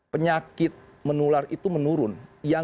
penyakit menular itu adalah penyakit yang terjadi di depan